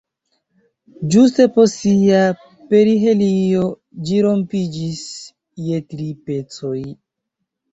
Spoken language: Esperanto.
Ĝuste post sia perihelio ĝi rompiĝis je tri pecoj.